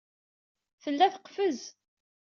Tella teqfez